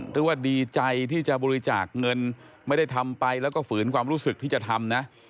หรือว่าดีใจที่จะบริจาคเงินไม่ได้ทำไปแล้วก็ฝืนความรู้สึกที่จะทำนะ